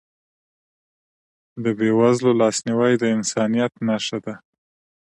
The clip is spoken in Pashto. د بېوزلو لاسنیوی د انسانیت نښه ده.